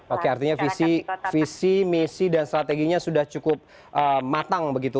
oke artinya visi misi dan strateginya sudah cukup matang begitu